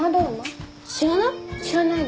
知らない？